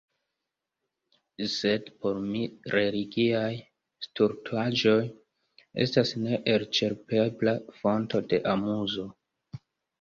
Sed por mi religiaj stultaĵoj estas neelĉerpebla fonto de amuzo.